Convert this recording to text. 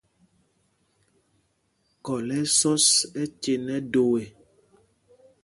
Khɔl ɛ́ ɛ́ sɔs ɛcen ɛ do ê.